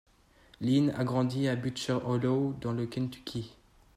Lynn a grandi à Butcher Hollow, dans le Kentucky.